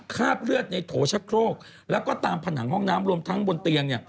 คาบเลือดในโถชะโครกแล้วก็ตามผนังห้องน้ำรวมทั้งบนเตียงเนี่ย